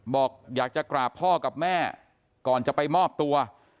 บอกอยากจะกราบพ่อกับแม่ก่อนจะไปมอบตัว